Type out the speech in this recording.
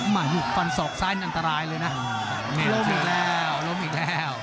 ลูกฟันศอกซ้ายนี่อันตรายเลยนะนี่ล้มอีกแล้วล้มอีกแล้ว